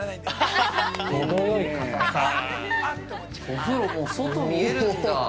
お風呂も、外、見えるんだ。